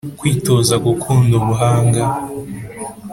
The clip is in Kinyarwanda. Kwitoza gukunda ubuhanga